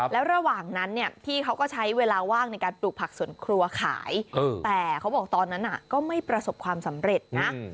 แล้วระหว่างนั้นเนี่ยพี่เขาก็ใช้เวลาว่างในการปลูกผักสวนครัวขายแต่เขาบอกตอนนั้นก็ไม่ประสบความสำเร็จนะ